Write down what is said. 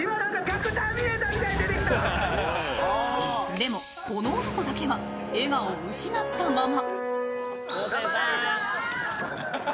でも、この男だけは笑顔を失ったまま。